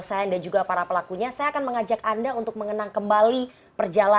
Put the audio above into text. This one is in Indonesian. sangat disayangkan kami tidak percaya